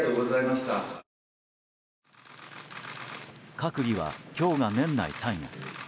閣議は今日が年内最後。